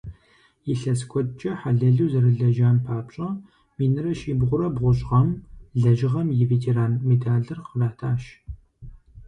Илъэс куэдкӏэ хьэлэлу зэрылэжьам папщӏэ, минрэ щибгъурэ бгъущӏ гъэм «Лэжьыгъэм и ветеран» медалыр къратащ.